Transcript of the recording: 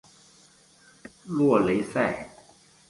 洛雷塞。